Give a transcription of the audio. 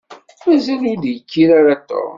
Mazal ur d-yekkir ara Tom.